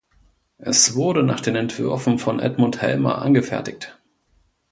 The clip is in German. Es wurde nach den Entwürfen von Edmund Hellmer angefertigt.